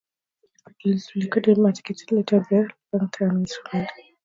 It facilitates liquidity and marketability of the long term instrument.